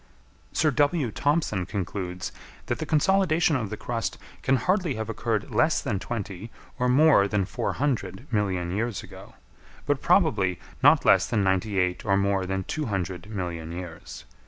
Sir W. Thompson concludes that the consolidation of the crust can hardly have occurred less than twenty or more than four hundred million years ago, but probably not less than ninety eight or more than two hundred million years.